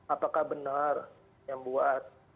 apakah benar yang buat